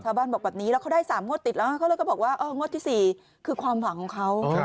ถ้าบ้านบอกแบบนี้ก็ได้๓งดติดแล้วเขาก็บอกว่างดที่๔คือความหวังของเขา